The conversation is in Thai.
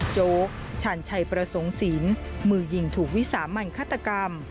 โจ๊กชาญชัยประสงค์ศิลป์มือยิงถูกวิสามันฆาตกรรม